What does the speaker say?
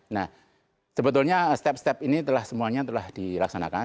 nah sebetulnya step step ini semuanya telah dilaksanakan